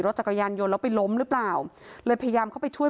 จักรยานยนต์แล้วไปล้มหรือเปล่าเลยพยายามเข้าไปช่วย